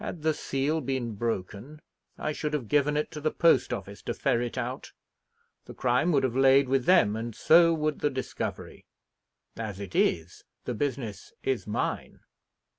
Had the seal been broken, I should have given it to the post office to ferret out; the crime would have lain with them, and so would the discovery. As it is, the business is mine."